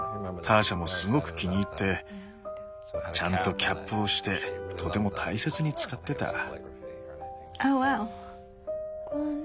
ターシャもすごく気に入ってちゃんとキャップをしてとても大切に使ってた。